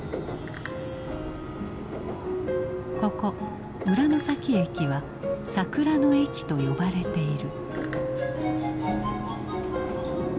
ここ浦ノ崎駅は「桜の駅」と呼ばれている。